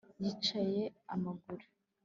Yicaye amaguru